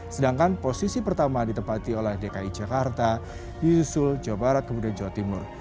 sedangkan posisi pertama ditempati oleh dki jakarta yusul jawa barat kemudian jawa timur